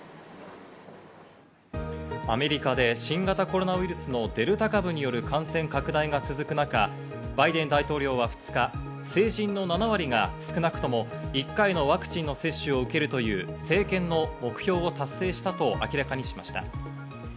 アメリカで新型コロナウイルスのデルタ株による感染拡大が続く中、バイデン大統領は２日、成人の７割が少なくとも１回のワクチンの接種を受けるという政権の目標を達成したと明らかにしました。